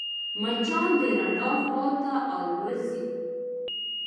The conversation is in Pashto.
مچان د رڼا خواته الوزي